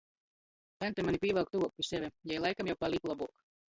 Taņte mani pīvalk tyvuok pi seve, jai laikam jau palīk lobuok!